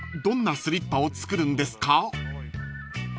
どんなスリッパを作るんですか？］